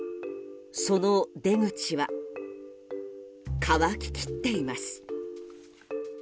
その出口は乾ききっています。